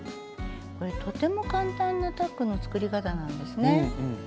これとても簡単なタックの作り方なんですね。